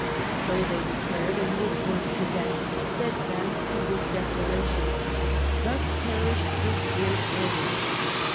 So they declared, and were burnt to death, steadfast to this declaration. Thus perished this great Order.